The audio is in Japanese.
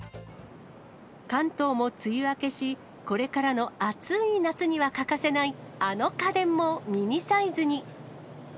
関東も梅雨明けし、これからの暑い夏には欠かせないあの家電もミニサイズに。